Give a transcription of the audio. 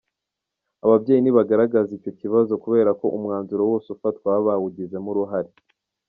Ababyeyi ntibaragaragaza icyo kibazo kubera ko umwanzuro wose ufatwa baba bawugizemo uruhare.